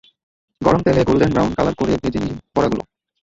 গরম তেলে golden brown colour করে ভেজে নিন বড়াগুলো।